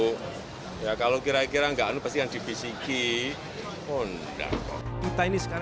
kalau kira kira nggak pasti yang dibisiki